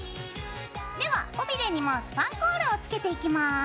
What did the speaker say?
では尾びれにもスパンコールを付けていきます。